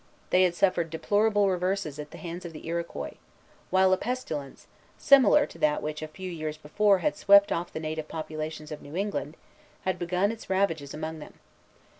They had suffered deplorable reverses at the hands of the Iroquois; while a pestilence, similar to that which a few years before had swept off the native populations of New England, had begun its ravages among them.